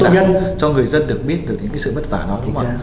để cho người dân được biết những sự vất vả đó